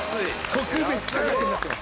特別価格になってます。